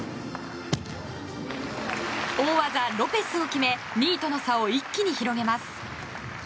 大技ロペスを決め２位との差を一気に広げます。